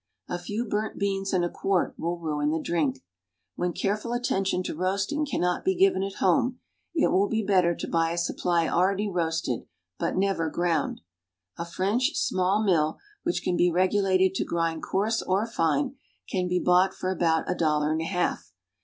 A few burnt beans in a quart will ruin the drink. When careful attention to roasting cannot be given at home, it will be better to buy a supply already roasted, but never ground. A French small mill, which can be regulated to grind coarse or fine, can be bought for about a dollar and a half.